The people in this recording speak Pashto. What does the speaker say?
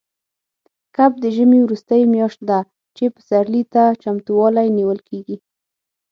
کب د ژمي وروستۍ میاشت ده، چې پسرلي ته چمتووالی نیول کېږي.